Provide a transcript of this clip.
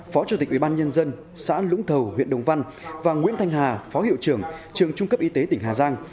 phó chủ tịch ubnd xã lũng thầu huyện đồng văn và nguyễn thanh hà phó hiệu trưởng trường trung cấp y tế tỉnh hà giang